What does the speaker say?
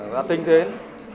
đã tinh tến